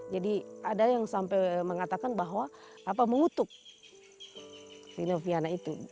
jadi ada yang sampai mengatakan bahwa apa mengutuk si nofianakala itu